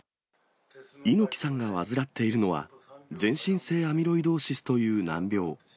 猪木さんが患っているのは、全身性アミロイドーシスという難病。